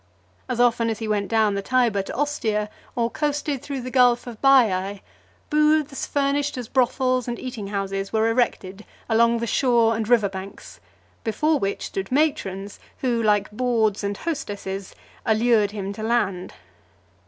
As often as he went down the Tiber to Ostia, or coasted through the gulf of Baiae, booths furnished as brothels and eating houses, were erected along the shore and river banks; before which stood matrons, who, like bawds and hostesses, allured him to land.